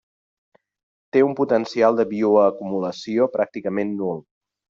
Té un potencial de bioacumulació pràcticament nul.